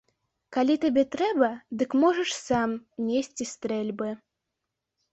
Калі табе трэба, дык можаш сам несці стрэльбы.